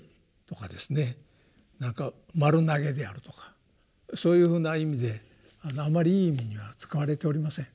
なんか丸投げであるとかそういうふうな意味であんまりいい意味には使われておりません。